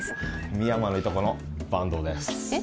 深山のいとこの坂東ですえっ